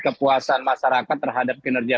kepuasan masyarakat terhadap kinerja